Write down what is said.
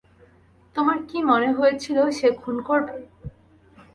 তোমার কি মনে হয়েছিল সে খুন করবে?